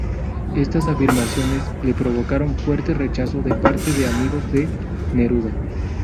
Estas afirmaciones le provocaron fuerte rechazo de parte de amigos de Neruda.